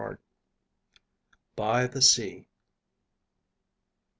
BY THE SEA.